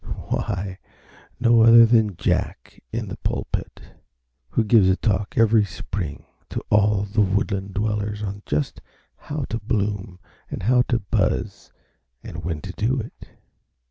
Why, no other than Jack in the pulpit, who gives a talk every spring to all the woodland dwellers on just how to bloom and how to buzz and when to do it.